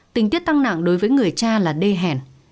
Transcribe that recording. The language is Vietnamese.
tình tiết tăng nặng đối với người cha là đê hèn